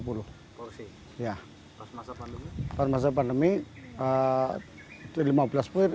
pada masa pandemi